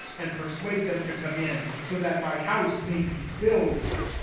isr and compel • them to come in ; that my house may be filled.